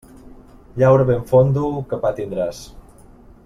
Llaura ben fondo que pa tindràs.